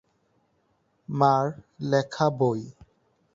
মা'র লেখা বই।